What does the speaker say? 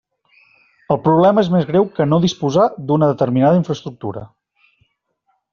El problema és més greu que no disposar d'una determinada infraestructura.